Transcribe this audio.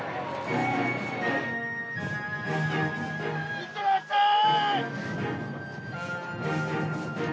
いってらっしゃい！